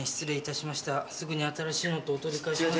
すぐに新しいのとお取り換えします。